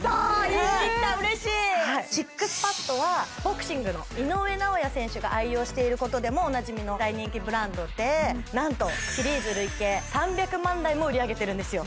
言い切った嬉しいＳＩＸＰＡＤはボクシングの井上尚弥選手が愛用していることでもおなじみの大人気ブランドで何とシリーズ累計３００万台も売り上げてるんですよ